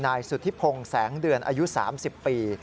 นายสุธิพงศ์แสงเดือนอายุ๓๐ปี